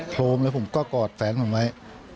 โครมแล้วผมก็กอดแฟนผมไว้